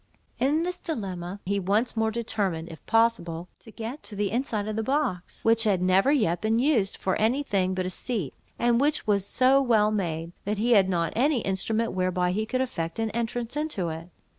In this dilemma, he once more determined, if possible, to get to the inside of the box, which had never yet been used for any thing but a seat, and which was so well made, that he had not any instrument whereby he could effect an entrance into it.